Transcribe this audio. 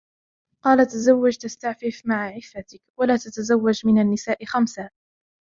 قَالَ تَزَوَّجْ تَسْتَعْفِفْ مَعَ عِفَّتِك ، وَلَا تَتَزَوَّجْ مِنْ النِّسَاءِ خَمْسًا